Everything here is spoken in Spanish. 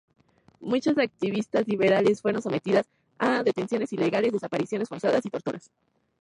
Muchos activistas liberales fueron sometidos a detenciones ilegales, desapariciones forzosas y torturas.